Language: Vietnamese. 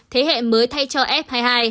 thế hệ mới thay cho f hai mươi hai